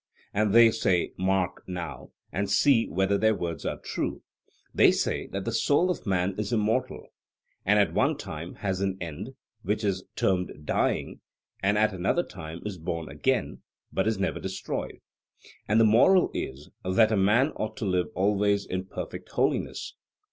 And they say mark, now, and see whether their words are true they say that the soul of man is immortal, and at one time has an end, which is termed dying, and at another time is born again, but is never destroyed. And the moral is, that a man ought to live always in perfect holiness.